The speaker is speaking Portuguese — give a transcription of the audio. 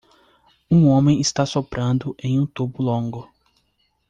Um homem está soprando em um tubo longo